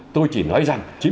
tôi chỉ nói rằng